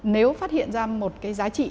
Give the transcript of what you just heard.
nếu phát hiện ra một cái giá trị